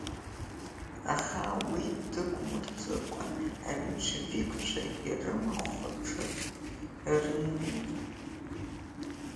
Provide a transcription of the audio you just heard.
Аха уи дук мырҵыкәа аменшевикцәа ирымхәаҽыр рымуит.